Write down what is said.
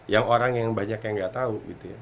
yang orang yang banyak yang nggak tahu